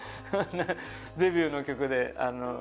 デビューの曲で。